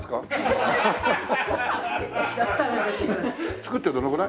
作ってどのくらい？